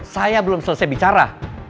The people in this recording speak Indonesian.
saya belum selesai bicara